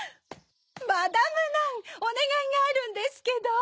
マダム・ナンおねがいがあるんですけど。